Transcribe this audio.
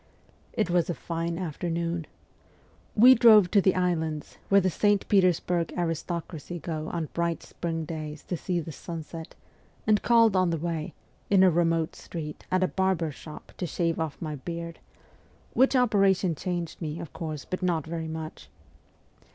It was a fine afternoon. We drove to the islands where the St. Petersburg aristocracy go on bright spring days to see the sunset, and called on the way, in a remote street, at a barber's shop to shave off my beard, which operation changed me, of course, but not very much.